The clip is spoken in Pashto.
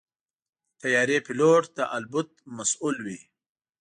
د طیارې پيلوټ د الوت مسؤل وي.